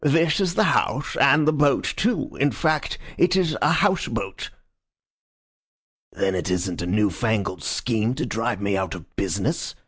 "This is the house, and the boat too. In fact, it is a house boat." "Then it isn't a new fangled scheme to drive me out of business?"